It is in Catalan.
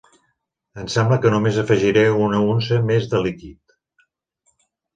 Em sembla que només afegiré una unça més de líquid.